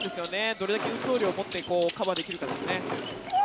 どれだけ運動量を持ってカバーできるかですね。